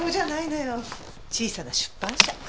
小さな出版社。